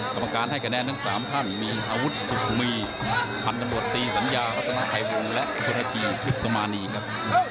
กรรมการให้คะแนนทั้ง๓ท่านมีอาวุธสุขมีพันธบทตีสัญญารัฐนาภัยวงศ์และคุณนาทีพิษมานีครับ